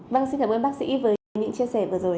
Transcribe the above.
vâng xin cảm ơn bác sĩ với những chia sẻ vừa rồi